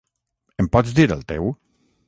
Em pots dir el teu!?